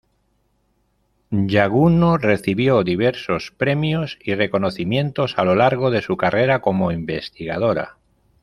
Llaguno recibió diversos premios y reconocimientos a lo largo de su carrera como investigadora.